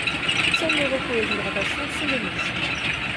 Seuls le repos et l’hydratation sont de mise.